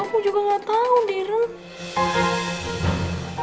aku juga gak tau direm